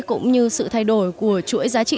cũng như sự thay đổi của chuỗi giá trị